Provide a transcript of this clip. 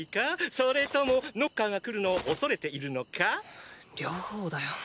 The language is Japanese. それともノッカーが来るのを恐れているのか⁉両方だよ。